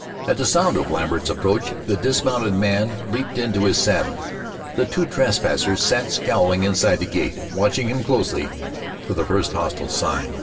At the sound of Lambert's approach the dismounted man leaped into his saddle. The two trespassers sat scowling inside the gate, watching him closely for the first hostile sign.